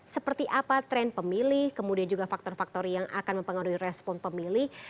seperti apa tren pemilih kemudian juga faktor faktor yang akan mempengaruhi respon pemilih